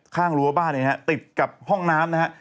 รั้วบ้านเนี่ยฮะติดกับห้องน้ำนะฮะ